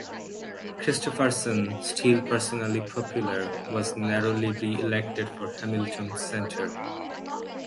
Christopherson, still personally popular, was narrowly re-elected for Hamilton Centre.